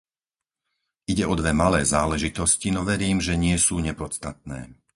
Ide o dve malé záležitosti, no verím, že nie sú nepodstatné.